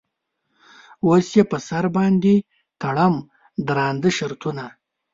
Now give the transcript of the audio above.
اوس یې په سر باندې تړم درانده شرطونه.